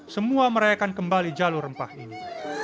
semua merayakan kembali jalur rempah ini